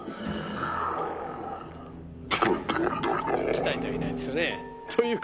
鍛えてはいないですよね。